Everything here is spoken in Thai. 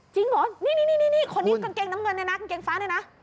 จริงเหรอนี่คนนี้กางเกงน้ำเงินเนี่ยนะกางเกงฟ้าเนี่ยนะ